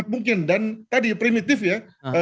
mungkin dan tadi primitif ya